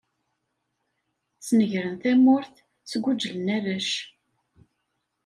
Snegren tamurt, sguǧlen arrac.